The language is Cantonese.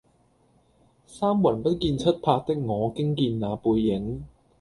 三魂不見七魄的我驚見那背影